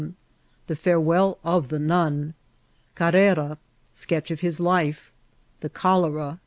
~ The Farewell of the Nun.— Ca]Tera.~Sketch of hk Li/e.^Tbe Cholera.